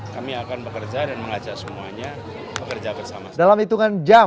kami akan bekerja dan mengajak semuanya bekerja bersama